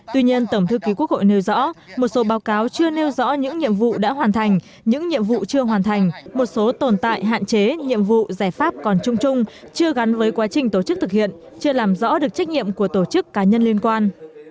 tuy nhiên tổng thư ký quốc hội nêu rõ một số báo cáo chưa nêu rõ những nhiệm vụ đã hoàn thành những nhiệm vụ chưa hoàn thành một số tồn tại hạn chế nhiệm vụ giải pháp còn chung chung chưa gắn với quá trình tổ chức thực hiện chưa làm rõ được trách nhiệm của tổ chức cá nhân liên quan